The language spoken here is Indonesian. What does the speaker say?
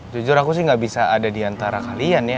jujur aku sih gak bisa ada diantara kalian ya